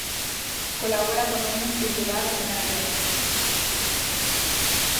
Colabora con Òmnium Cultural de Alguer.